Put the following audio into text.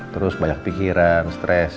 terus banyak pikiran stres